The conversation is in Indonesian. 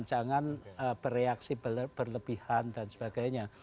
jangan bereaksi berlebihan dan sebagainya